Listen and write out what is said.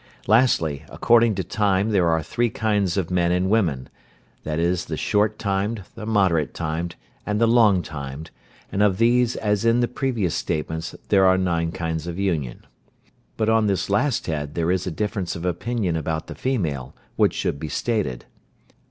Lastly, according to time there are three kinds of men and women, viz., the short timed, the moderate timed, and the long timed, and of these as in the previous statements, there are nine kinds of union. But on this last head there is a difference of opinion about the female, which should be stated.